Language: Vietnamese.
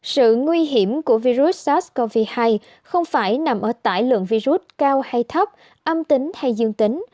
sự nguy hiểm của virus sars cov hai không phải nằm ở tải lượng virus cao hay thấp âm tính hay dương tính